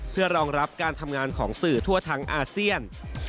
เพื่อรองรับการทำงานของสื่อทั่วทั้งอาเซียน